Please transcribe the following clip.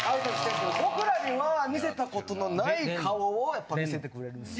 僕らには見せたことのない顔をやっぱり見せてくれるんですよ。